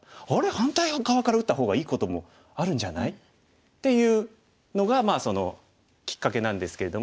反対側から打った方がいいこともあるんじゃない？」っていうのがきっかけなんですけれども。